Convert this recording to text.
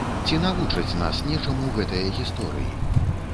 Ці навучаць нас нечаму гэтыя гісторыі?